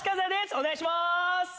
お願いします！